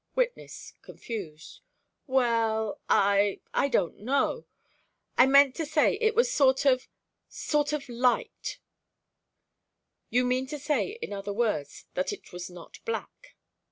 Witness, confused: "Well, I I don't know. I meant to say it was sort of sort of light" "You meant to say, in other words, that it was not black?"